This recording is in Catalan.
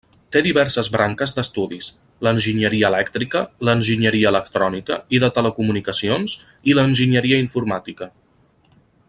Té diverses branques d'estudis: l'enginyeria elèctrica; l'enginyeria electrònica i de telecomunicacions; i l'enginyeria informàtica.